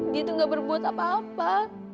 dia tuh gak berbuat apa apa